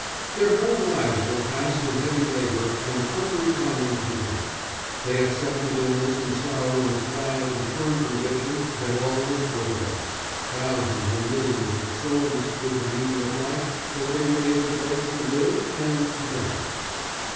"Their whole lives were passed in heavy labour and unrepining content ... they accepted illness and sorrow in the quiet and firm conviction that all was for the best ... thousands and millions had so understood the meaning of life that they were able both to live and to die."